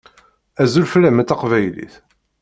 Azul fell-am a taqbaylit.